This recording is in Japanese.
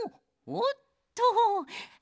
おっとー。